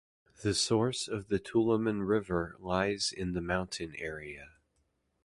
The source of the Toulaman River lies in the mountain area.